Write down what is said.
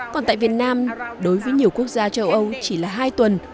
còn tại việt nam đối với nhiều quốc gia châu âu chỉ là hai tuần